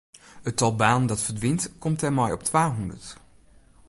It tal banen dat ferdwynt komt dêrmei op twahûndert.